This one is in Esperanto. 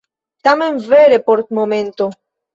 Tamen vere por momento.